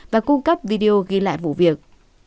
và cung cấp video ghi lại vụ việc